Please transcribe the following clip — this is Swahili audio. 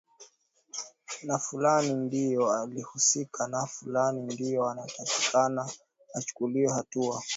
na fulani ndio alihusika na fulani ndio anatakikana achukuliwe hatua